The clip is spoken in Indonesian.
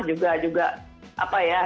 juga juga apa ya